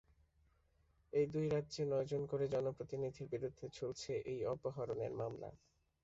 এই দুই রাজ্যে নয়জন করে জনপ্রতিনিধির বিরুদ্ধে ঝুলছে এই অপহরণের মামলা।